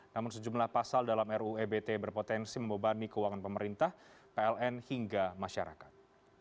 namun sejumlah pasal dalam ruu ebt berpotensi membebani keuangan pemerintah pln hingga masyarakat